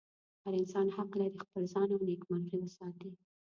هر انسان حق لري خپل ځان او نېکمرغي وساتي.